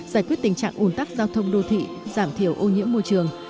giải quyết tình trạng ủn tắc giao thông đô thị giảm thiểu ô nhiễm môi trường